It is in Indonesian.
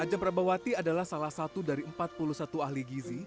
ajang prabawati adalah salah satu dari empat puluh satu ahli gizi